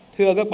thưa các bà bà